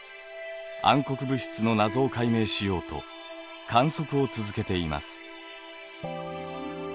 暗黒物質の謎を解明しようと観測を続けています。